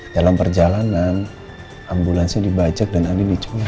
dalam perjalanan ambulansi dibajak dan andi diculik